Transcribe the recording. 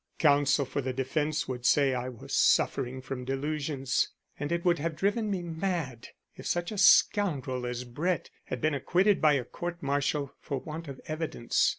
Counsel for the defence would say I was suffering from delusions. And it would have driven me mad if such a scoundrel as Brett had been acquitted by a court martial for want of evidence.